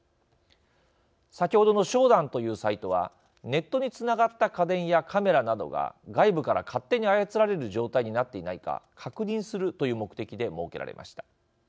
先ほどのＳＨＯＤＡＮというサイトはネットにつながった家電やカメラなどが外部から勝手に操られる状態になっていないか確認するという目的で設けられました。